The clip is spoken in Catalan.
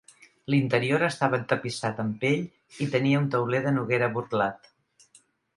L'interior estava entapissat amb pell i tenia un tauler de noguera burlat.